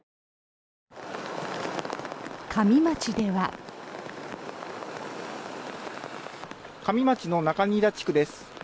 加美町の中新田地区です。